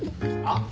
あっ。